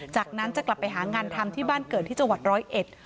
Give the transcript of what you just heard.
จากนั้นจะกลับไปหางานทำที่บ้านเกิดที่จังหวัดร้อยเอ็ด